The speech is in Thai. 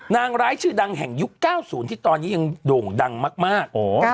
นางร้ายชื่อดังแห่งยุค๙๐ที่ตอนนี้ยังโด่งดังมาก